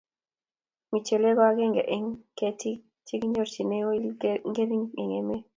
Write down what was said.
michelek ko akenge en ketik chikinyorchine oli ngering en emet